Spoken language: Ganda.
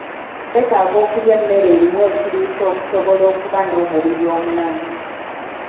Weetaaga okulya emmere erimu ekiriisa okusobola okuba n'omubiri omulamu.